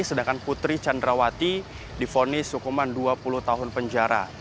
sedangkan putri candrawati difonis hukuman dua puluh tahun penjara